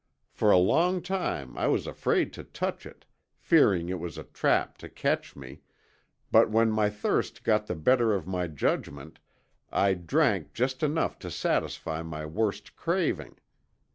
For a long time I was afraid to touch it, fearing it was a trap to catch me, but when my thirst got the better of my judgment I drank just enough to satisfy my worst craving.